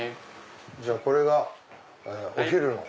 じゃあこれがお昼の。